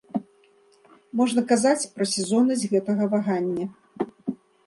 Можна казаць пра сезоннасць гэтага вагання.